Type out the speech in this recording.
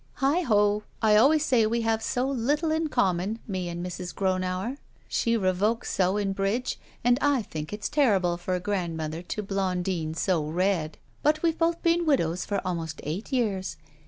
"Heigh ho! I always say we have so little in common, me and Mrs. Gronauer, she revokes so in bridge, and I think it's terrible for a grandmother to blondine so red, but we've both been widows for almost eight years.